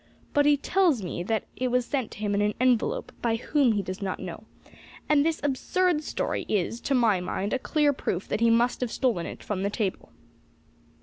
But he tells me that it was sent to him in an envelope, by whom he does not know; and this absurd story is, to my mind, a clear proof that he must have stolen it from the table."